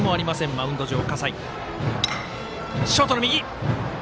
マウンド上、葛西。